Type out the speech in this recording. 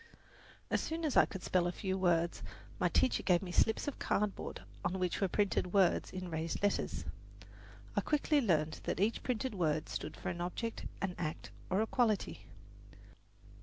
As soon as I could spell a few words my teacher gave me slips of cardboard on which were printed words in raised letters. I quickly learned that each printed word stood for an object, an act, or a quality.